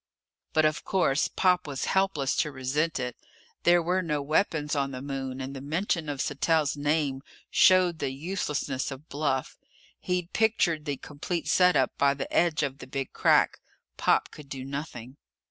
But, of course, Pop was helpless to resent it. There were no weapons on the Moon and the mention of Sattell's name showed the uselessness of bluff. He'd pictured the complete set up by the edge of the Big Crack. Pop could do nothing.